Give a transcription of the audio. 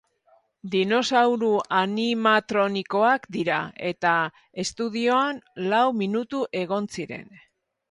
Dinosauru animatronikoak dira, eta estudioan lau minutu egon ziren.